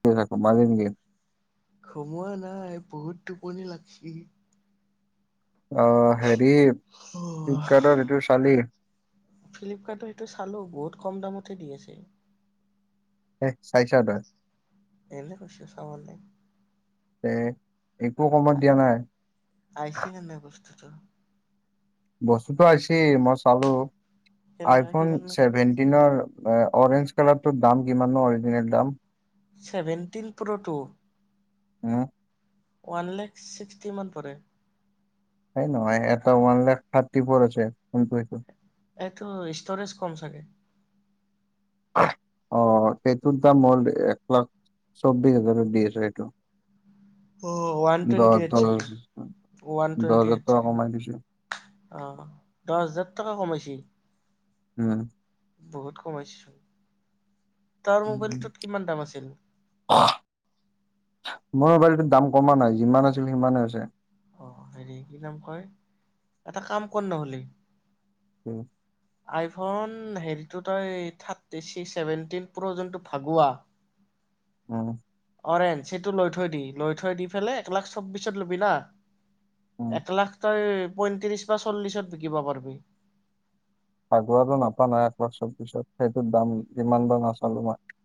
পইচা সোমালে নেকি? সোমোৱা নাই, বহুত টোপনি লাগছি। অ, হেৰি অ, ফ্লিপকাৰ্টত এইটো চালি ফ্লিপকাৰ্টৰ সেইটো চালো, বহুত কম দামত। দি আছে। এ চাইছা তই এনে কৈছে চোৱা নাই। একো কমত দিয়া নাই। তাকে বস্তুতো আহিছে মই চালো, কেনেকা আইফোন কিমান ছেভেনটিনৰ অৰেঞ্জ কালাৰটোৰ দাম কিমান ন? অৰিজিনেল দাম। ছেভেনটিন প্ৰ' টু? হম ওৱান লেখ, ছিক্সটি মান পৰে। এ নহয়, এটা ওৱান লাখ, থাৰ্টি ফ'ৰ আছে ফোনটো, সেইটো। এইটো ষ্টৰেজ কম চাগে। অ, সেইটোৰ দাম হ'ল একলাখ। চৌবিছ হাজাৰত দি আছে এইটো। ওৱান দহ টোৱেণ্টি এটথ দহ ছাগে, ওৱান দহ টোৱেণ্টি হাজাৰ এইথ টকা ছাগে। কমাই দিছে অ, দহ হাজাৰ টকা কমাইছে। উম বহুত কমাইছে চোন, তাৰ উম, উম। মোবাইলটোত কিমান দাম আছিল? মোৰ মোবাইলটোত দাম কমা নাই যিমান আছিল সিমানে আছে। অ হেৰি কি নাম কয় এটা কাম কৰ নহ'লে। উম আইফোন হেৰি তই থাৰ্টি চিক্স চেভেন প্ৰ যোনটো ভাগুৱা [unintelligible] উম অৰেঞ্জ, সেইটো লৈ থৈ দি, লৈ থৈ দি পেলাই এক লাখ চৌবিশত ল'বি না। উম, একলাখ তই, পইয়ত্ৰিশ বা চল্লিশত বিকিব পাৰিবি। আগৰটো নাপাওঁ নাই, একবছৰ পিছত সেইটো দাম ইমান বাৰ নাচালো মই। [inaudible]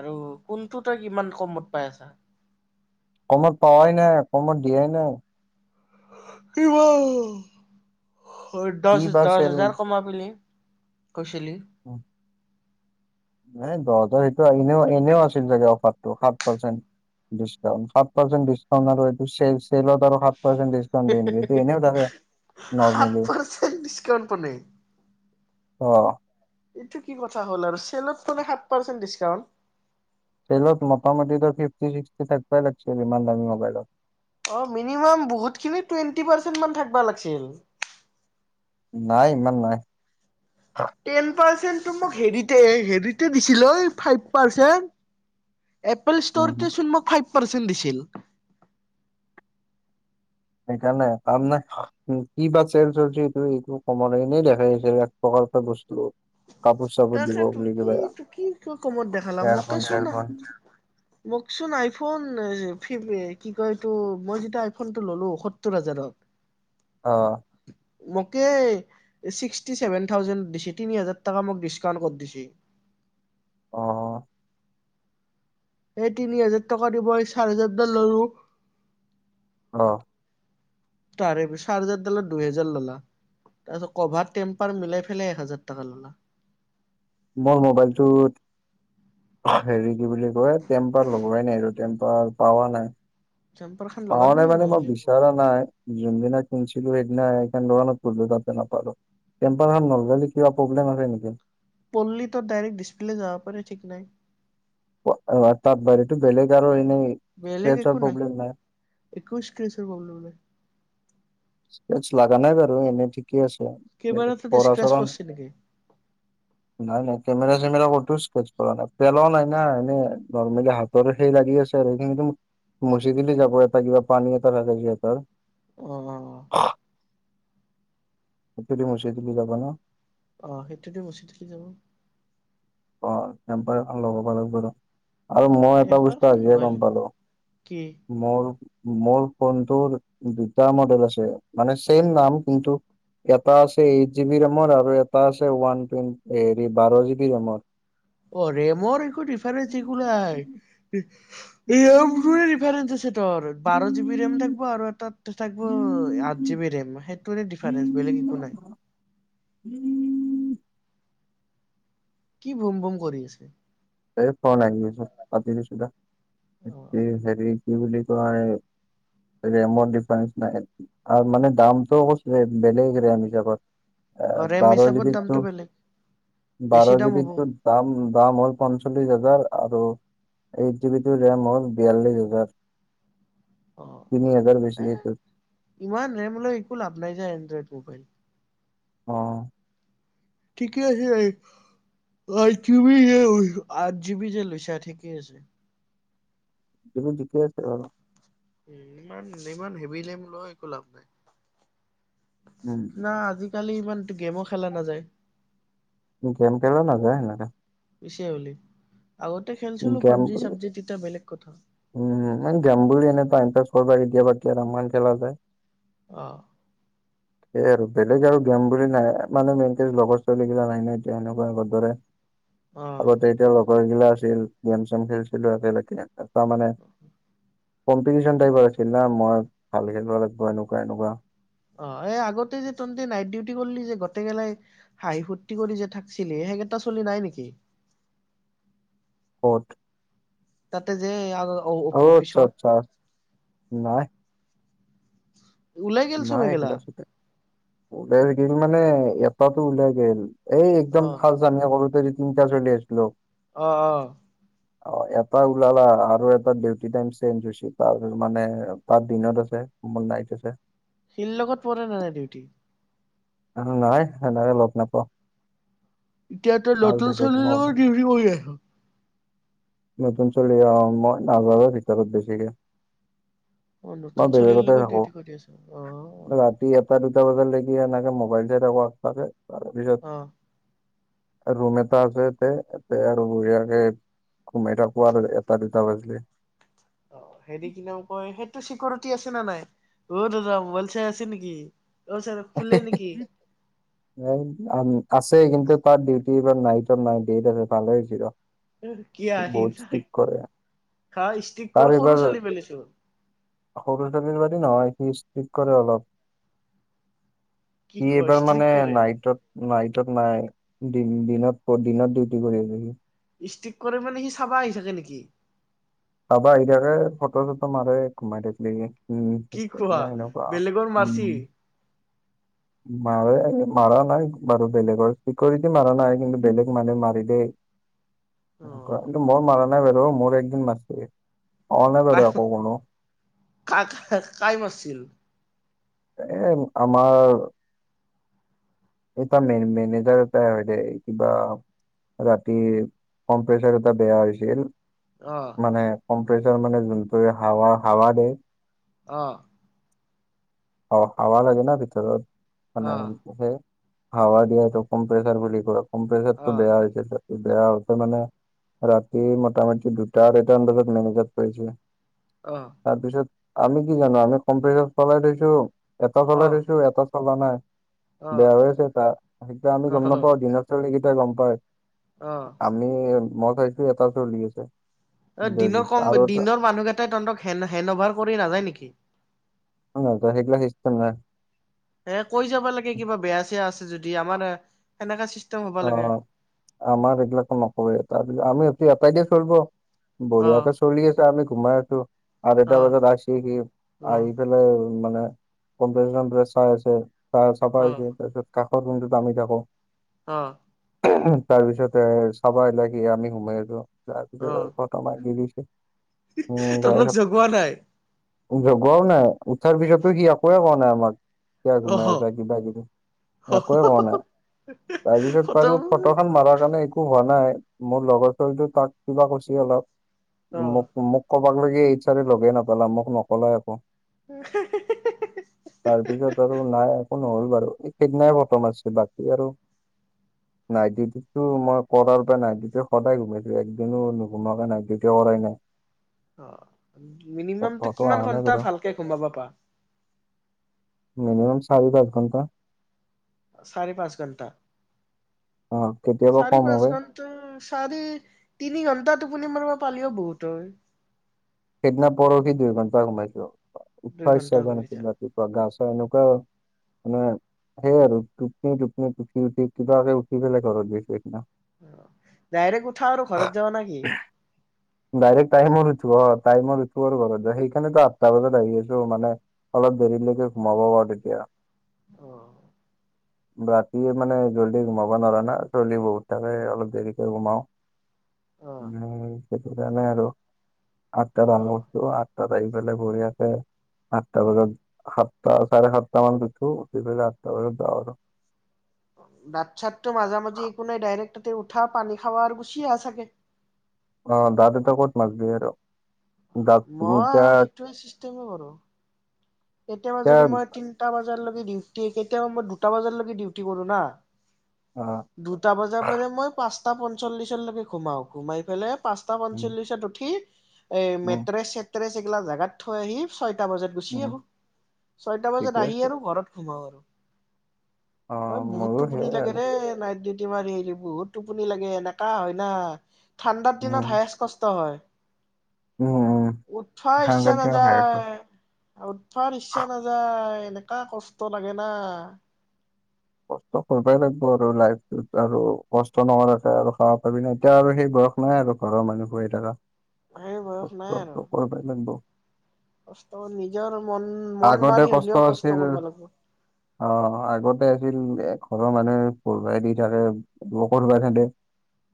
আৰু কোনটো তই কিমান কমত পাই আছা? কমত পাৱাই নাই, কমত দিয়াই নাই। কিমান এইটো? কি বা দহ-দহ চেল হেজাৰ কমাই মেলি। কইছিলি। অ এ দহ হাজাৰ সেইটো এনেও-এনেও আছিল চাগে অফাৰট, সাত পাৰ্চেণ্ট। ডিছকাউণ্ট, সাত পাৰ্চেন্ট ডিছকাউণ্ট আৰু এইটো চেল-চেলত আৰু সাত প্চেণ্ট ডিছকাউণ্ট দিয়ে নেকি? এনেই সাত নৰ্মেলি পাৰ্চেন্ট ডিচকাউণ্ট পালে অ। এইটো কি কথা হ'ল আৰু, চেলত মানে সাত পাৰ্চেন্ট ডিছকাউণ্ট। চেলত মোটামুটিতো ফিফটি, চিক্সটি থাকিবাই লাগিছিল, ইমান দামী মোবাইলত। অ, মিনিমাম বহুতখিনি, টুৱেণ্টি পাৰ্চেন্ট মান থাকিব লাগিছিল। নাই, ইমান নাই। দ [unintelligible] এপেল ষ্টৰতে চোন মোক ফাইভ উম পাৰ্চেন্ট হু দিছিল সেইকাৰণে তাৰমানে কি বা চেল চলছ এইটো এইটো কমলৈনেই দেখাই আহিছে এক প্ৰকা [unintelligible] এটা বস্তু কাপোৰ চাপোৰ দিব তাকে ত বুলি কি কিবা ত কি ক কমত দেখালাম এয়াৰফোন মোকে চ ন চেয়াৰফোন মোকচোন আইফোন ফি [unintelligible] কি কয় এইটো মই যেতিয়া আইফোনটো ল'লো সত্তৰ হাজাৰত অ', মোকে ছিক্সটি ছেভেন থাউজেন দিছে তিনি হাজাৰ তাকা মোক ডিছকাউণ্ট কৰি দিছি [unintelligible] অ এই তিনি হাজাৰ টকা দিব চাৰ হোজাৰডাল ললো অ তাৰে এই চাৰ হাজাৰ দালা দুহোজাৰ ললা তাৰপিছত কভাৰ টেম্পাৰ মিলাই পেলাই এক হাজাৰ টকা ললা মোৰ মোবাইলটোত হেৰি কি বুলি কয় টেম্পাৰ লগোৱাই নাই আৰু টেম্পাৰ পাৱা নাই টেম্পাৰ খান পাওঁ লগাবি নাই মানে মই নহ'লে বিচৰা নাই যোনদিনা শুনছিলো এইদিনা এখন হেখন দোকানত গলো নাপালো টেম্পাৰ নলবাৰী কিবা প্ৰব্লেম আছে নেকি পল্লী তৰ ডাইৰেক্ট ডিছপ্লে যাব পাৰে ঠিক নাই তাত বাৰীটো বেলেগ আৰু এনেই বেলেগ স্ক্ৰেচৰ একো নাই প্ৰব্লেম একৈশ কে্ৰিছৰ প্ৰব্লেম [unintelligible] চ লাগা নাই এনে ঠিক কি আছে কেমেৰাটোত স্ক্ৰেচ পৰাচৰন পৰিছে নেকি নাই নাই কেমেৰা ষ্টেজ কৰা নাই পেলোৱাও নাই না নৰ্মেলী হাতত লাগি আছে [unintelligible] মুছিদিলে যাব এটা কিবা পানী এটা লাগে যিহেতু [unintelligible] অ অ [unintelligible] মুছিদিলে যাব ন আহ সেইটোত মুচি দিলে যাব। অ তেম্পাৰ এখন লগাব লাগিব ৰ আৰু মই এটা টেম্পাৰ বস্তু খান আজিয়ে লগাই গম লব পালো কি মোৰ মোৰ ফোনটোৰ দুটা মডেল আছে মানে চেম নাম কিন্তু এটা আছে এইট জিব ৰেমৰ আৰু এটা আছে ওৱান তেন হেৰি বাৰ জিব ৰেমৰ [unintelligible] অ ৰেমৰ একো ডিফাৰেন্ঞ্চ একো নাই [unintelligible] বাৰজিবি ৰেড [unintelligible] থাকিব আঠ জি বি ৰেম সেইটো ডিফাৰস বেলেগ একো নাই উম কি বুম বুম কৰি আছে এই ফন আহিছ পাতি দিছো দা অ এ হেৰি কি বুলি কয় ৰেমৰ ডিফাৰেন্ঞ্চ নাই আৰু মানে দামটো কৈছিলে বেলেগ ৰেম হিচাপত অ আহ ৰেম বাৰ জি হিচাপত দামটো বিতটো বেলেগ বেছি বাৰ জি দাম হ'ব বিতটো দাম [unintelligible] পঞ্চল্লিছ হাজাৰ আৰু এইট জি বিটোৰ ৰেম হ'ল বিয়াল্লিছ হাজাৰ [unintelligible] অ তিনি হাজাৰ বেছি এ এইটোত ইমান ৰেমোলৈ একো লাভ নাই এড্ৰইড [unintelligible] মোবাইল অ ঠিকেই আছে ভাই আঠ জিবি যে লৈছা ঠিকেই আছে [unintelligible] যিবোৰ জিকি আছে বাৰু উ ইমান ইমান হেভ লেম লোৱা একো লাভ নাই না আজিকালি ইমান গেমো খেলা নাযায় গেম খেলা নাযায় সেনেকা [unintelligible] পিছে হলি আগতে খেলচিলো গেম পাবজি চাবজি তেতিয়া বেলেগ কথা। উম মই গেম বুলি এনে টাইম পাছ কৰা কেতিয়াবাতি কেৰম খেলা যায়। আহঁ সেই আৰু বেলেগ আৰু গেম বুলি নাই মানে মেইনক লগৰ ছোৱালীগিলা নাই ন এতিয়া এনেকুৱা আগত দৰে। অ', আগতে এতিয়া লগৰগিলা আছিল গেম চেম খেলিছিলো একেলগে তাৰমানে। কম্পিটিচন টাইপৰ আছিল না মই ভাল খেলিব লাগিব এনেকুৱা এনেকুৱা অ এই আগতে যে তন্তে নাইট ডিউটি কৰিলি যে গোটগেলাই হাঁহি ফূৰ্তি কৰি যে থাকছিলি। সিহঁতৰ ছোৱালী নাই নেকি? কত তাতে যে আ অ আচ্ছা আচ্ছা নাই। ওলাই গেল চব নাই সেইগেলা একিলা ছতে গিল মানে এটাতটো ওলাই গল এই একদম অ', ফাৰ্ষ্ট জানি কৰোতে তিনিটা চলি আছিলো। অহ অহ অ এটা ওলালা আৰু এটা ডিউটি টাইম চেঙ্গ হৈছে তাৰ মানে তাৰ দিনত আছে। মোৰ নাইত আছে। শিল লগত পৰে নে নাই ডিউটি অ নাই সনেকে লগ নাপাওঁ এতিয়া তই আৰু নতুন বেলেগ ছোৱালীৰ মই লগত দিওটি কৰি আছ নতুন ছোৱালী অ মই নাযাৱে ভিতৰত বেছিকে অ মই নতুন ছোৱালীৰ বেলেগতে লগত থাকো দেউটি কৰি আছ আহ আহ বজা লৈকে এনেকে মোবাইলটোৱে চাই থাকো তাকে অহ ৰুম এটা আছে ইয়াতে ইয়াতে বঢ়িয়াকে। সোমাই থাকোঁ আৰু এটা দুটা লৈকে। অ হেতি কি কাম কৰে সেইটো চিকৰ কি আছে নে নাই অ দাদা মোবাইল চাই আছে নেকি? অ ছাৰ শুলে নেকি? ন আম - আছে কিন্তু তাত ডিউটি বা নাইটত নাই ডেইট আছে ভালে হৈছে ৰহ। কি আহি তাক খা ষ্টিক তাৰ কৰি এইবাৰ সৰু ছোৱালী পেলিছো সৰু [unintelligible] নহয় সি ষ্ট্ৰিক কৰে অলপ কি সি কোৱা এইবাৰ ষ্ট্ৰিক মানে কৰে? নাইটত নাইটত নাই দিনত দিনত ডিউটি কৰি আহিব ষ্টিক কৰি মানে সি চাবা আহি থাকে নেকি? চাব আহি থাকে ফ'ট চটো মাৰে কমেটিক লি উম কি কোৱা? তেতিয়া এনেকোৱা আও বেলেগৰ মাৰছি উম্ মাৰে মাৰ নাই বাৰু বেলেগৰ চিকৰিট মাৰা নাই কিন্তু বেলেগ মানুহে মাৰে দেই। অ কিন্তু মই মাৰা নাই বাৰু মোৰ একদিন মাৰিছে। কাই কাক কাই মাৰছিল। এ আমাৰ এটা মে মেনেজাৰ এটাই হয় দে কিবা। ৰাতি কম্পচাৰ এটা বেয়া হৈছিল। অ মানে কম্পেচাৰ মানে যোনটোৱে হাৱা হাৱা দিয়ে। অহ অ হাওঁৱ লাগে না ভিতৰত অ মানে। হাৱা দিয়াটো কম্প্ৰেছাৰ বুলি ক কম্প্ৰেছাৰটো অ বেয়া হৈ হৈছে ত বেয়া হৈছে মানে ৰাতি মোটামুটি দুটা আঢ়ৈটামান বজাত মেনেজত পৰিছে তাৰপিছত আমি কি জানো আমি কম্পিউটাৰ চলাই থৈছো এটা অ চলাই অ দিছো এটা চলা নাই অ। বেয়া হৈ আছে তাত সেইকেইটা আমি অ গম নাপাওঁ দিনত ছোৱালীকেইটা গম পাই। অ আমি মই গৈছোঁ তাৰপিছত উলিয়াইছে। অ দিনৰ কম দিনৰ মানুহকেইটাই তহঁতক হেণ্ড হেণ্ড অভাৰ কৰি নাযায় নেকি? নাযায়, সেইগিলা চিষ্টেম নাই এ কৈ যাব লাগে কিবা বেয়া চেয়া আছে। যদি আমানে সেনেকা চিচ অ আমাক এইগিলাকো নকৰে তাছত আমি এতিয়া এটাকে চলব। অ বঢ়িয়াকে চলি আছে আমি ঘোমাইছো আৰু অ এটা বজাত আহিছে সি অ আহি পেলাই মানে কম্পল চাই আছে চাই চাফা অ তাৰপিছত ক তাত ৰমটোত আামি থাকোঁ। অ তাৰ পিছতে চাবাইলাকে আমি সোমাই আছোঁ অ তাৰপিছত আৰু ফটো মাৰি দি দিছোঁ। তহঁতক জগোৱা নাই। গোৱাও নাই উঠাৰ পিছতো সি একোৱেই কোৱা নাই আমাক। কিয় অহ ঘোমাই আছ কিবা কিবি একোৱে হোৱা নাই। তাৰপিছত বাৰু খতম ফটো খন মাৰাৰ কাৰণে একো হোৱা নাই মোৰ লগৰ টোক যে তাক কিবা কৈছে অলপ। অ মোক মোক কবাক লাগে ইচ্ছাৰে লগে নাপেলে মোক নকলে একো। তাৰপিছত আৰু নাই এ নহ'ল বাৰু এই কেইদিনাই বৰ্তমান আছে বাকী আৰু। নাইটি ডিউটিটো মই কৰাৰ পৰা নাইট ডিউটিত সদায় ঘুমাইছো একদিনো নুঘুমাকে নাইট ডিউটিয়ে কৰাই নাই। অ মিনিমামটো ঘৰতো কিমান অহা নাই ঘন্টা বাৰু ভালকে ঘোমাব পাৰা। মিনিমাম চাৰি দচ ঘণ্টা। চাৰি পাঁচ ঘণ্টা অ কেতিয়াবা কম হ'ব। চাৰে তিনি ঘণ্টা টোপুনি মাৰিবা পালিও বহুত হয়। সেইদিনা পৰহি দুই ঘণ্টা সোমাইছো উঠব দুই ঘন্টা ইচ্ছা যোৱা ঘুমাইছা নাছিল ৰাতিপুৱা গা তেনেকুৱা মানে সেইয় আৰু টোপনি টোপনি উঠি উঠি কিবাকে উঠি পেলাই ঘৰত গছ সিদিনাখন আহ ডাইৰেক্ উঠা আৰু ঘৰত যাৱ নে কি ডাইৰেক্ট টাইমো উঠিব টাইমো উঠিব আৰু ঘৰত সেইকাৰণেতো আঠটা বজাত আহি আছো মানে অলপ দেৰি [unintelligible] হোমাব পাৰো তেতিয়া অ। ৰাতিয়ে মানে জল্দি ঘোমাব নোৱাৰা না চল্দি বহুত থাকে অলপ দেৰিকে ঘোমাও। অ', উম সেইটো কাৰণে আৰু আঠটা দান অ'। কৰছো আঠ তাত আহি পেলাই ঘূৰি আছে। আঠটা বজাত সাতটা চাৰে সাতটা মান উঠু উঠি পেলাই আঠটা বজাত যাওঁ আৰু। দাত ছাতটো মাজা মাজি একো নাই ডাইৰেক্। তাতে উঠা পানী খাৱা আৰু গূচি আহা চাগে। অ দাত এতিয়া ক'ত মাজবি আৰু। দাঁত মই এতিয়া আৰু সেইটোৱে চিষ্টেম কৰোঁ কেতিয়াবা এতিয়া যদি মই তিনটা বজালৈকে ডিউটি কেতিয়াবা মই দুটা বজালকে ডিউটি কৰোঁ না। অ দুটা বজাৰ পৰা মই পাঁচটা পঞ্চল্লিশলৈকে ঘোমাও ঘোমাই পেলাই। পাঁচটা উম পঞ্চল্লিশত উঠি এ উম মেট্ৰে চেট্ৰেচ এই গিলা জাগাত থৈ আহি। টা বজাত গইছে উম আৰু ছয়টা বজাত ঠিকে আহি আছে আৰু ঘৰত সোমাও আৰু অ বহুত মোৰো টোপনি সেইয়াই লাগে আৰু দেই নাইট ডিউটি মাৰি হেৰি বহুত টোপনি লাগে এনেকা হয় না ঠাণ্ডা দিনত উম হায়চ কষ্ট হয়। উম উম উঠা ইচ্ছা সাংঘাতিক ভাইৰাছ নাযায় আৰু ইচা নাযায় এনেকা কষ্ট লাগে না। অ কষ্ট কৰিবই লাগব আৰু লাইফটো আৰু কষ্ট নহলেতো আৰু খাবা পাবি ন এতিয়া আৰু সেই বয়স নাই আৰু। ঘৰৰ মানুহ পৰি থাকা সেই বয়স নাই আৰু কষ্ট কৰিব লাগিব। কষ্ট নিজৰ মন মন আগতে মাৰি হলেও কষ্ট আছিল কৰিব লাগিব। অ আগতে ছিল ঘৰৰ মানুহে পঢাই দি থাকে লগ কা খেদে।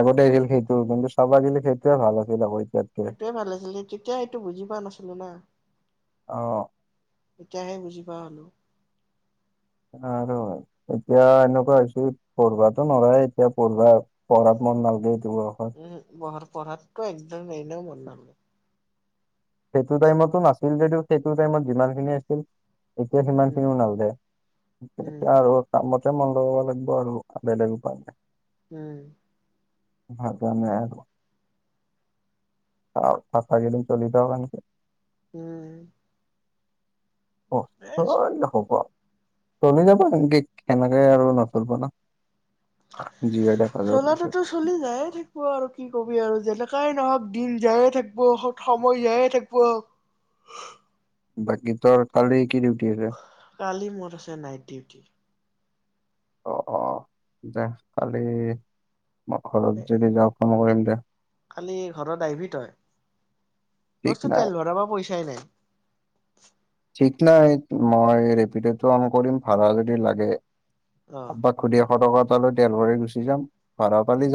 আগতে নকৰো। আছিল সেইটো কিন্তু চব আহিলে সেইটোৱে ভাল আছিল আ সেইটোৱে ভাল আছিল তেতিয়া সেইটো বুজি পোৱা নাছিলো না। অ এতিয়াহে বুজি পোৱা হ'লোঁ। আৰু এতিয়া এনেকুৱা হৈ হৈছে পঢ়োৱা নৰায় এতিয়া পঢ়োৱা পঢ়াত মন নালগে। বয়সত উম ঘৰ পঢ়াতটো একদম এনেও মন নে সেইটো টাইমতো নাছিল যদিও সেইটো টাইমত যিমানখিনি আছিল এতিয়া সিমান উম খিনিও নালাগে। উম আৰু কামত এতিয়া মন লগাব লাগিব আৰু বেলেগ উপাই নাই। উম। ম নাই আৰু থকা কেইদিন চলিম। [unintelligible] উম। অ এ চোন দেখ ক। চলি যাবা কেনেকে আৰু নচলব না। হয় দেখা যাব পিছত চলাততো চলি যায়ে থাকিব আৰু কি কবি আৰু যেনেকাই নহওক দিন যায়ে থাকিব সময় জায় থাকিব। বাকী ত কালি কি দি? কালি মোৰ আছে নাইট ডিউটি। অ অ দে খালি। ঘৰৰত যদি যাওঁ ফোন কৰিম দে। কালি ঘৰত আহভি তই ঠিক তইতো নাই তেল ভৰাব পৰা পইচাই নাই। [unintelligible] ঠিক নাই মই ৰেপিডটো কাম কৰিম ভাড়া যদি লাগে অ আক খুজি এশ টকা এটালৈ তেল ভৰি গুচি যাম ভাড়া পালে যাম।